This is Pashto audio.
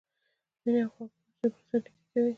مینه او خواخوږي زړونه سره نږدې کوي.